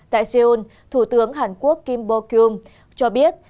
tại seoul thủ tướng hàn quốc kim bo kyum cho biết